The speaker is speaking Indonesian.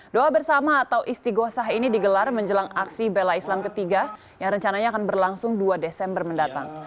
doa bersama atau isti gosah ini digelar menjelang aksi bela islam ketiga yang rencananya akan berlangsung dua desember mendatang